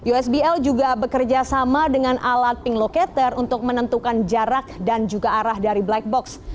usbl juga bekerja sama dengan alat ping locator untuk menentukan jarak dan juga arah dari black box